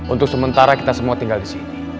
untuk sementara kita semua tinggal di sini